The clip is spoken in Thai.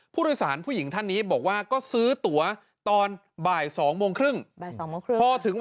ผู้โดยศาลผู้หญิงท่านนี้บอกว่าก็ซื้อตัวตอนบ่ายสองโมงครึ่ง